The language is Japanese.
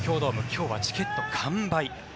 今日はチケット完売。